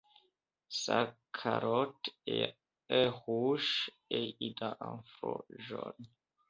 Sa calotte est rouge et il a un front jaune.